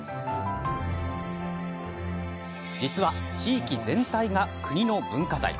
実は、地域全体が国の文化財。